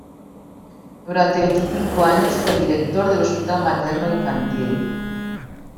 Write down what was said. Durante veinticinco años fue director del Hospital Materno Infantil.